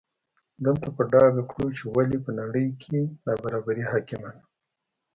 دلته به په ډاګه کړو چې ولې په نړۍ کې نابرابري حاکمه ده.